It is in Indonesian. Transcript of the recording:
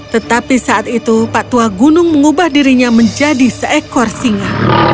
tetapi saat itu pak tua gunung mengubah dirinya menjadi seekor singa